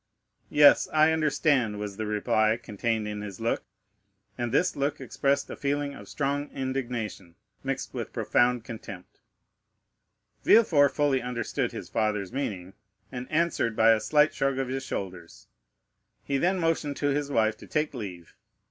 "Yes, I understand," was the reply contained in his look; and this look expressed a feeling of strong indignation, mixed with profound contempt. Villefort fully understood his father's meaning, and answered by a slight shrug of his shoulders. He then motioned to his wife to take leave.